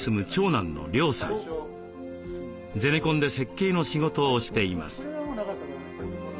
ゼネコンで設計の仕事をしています。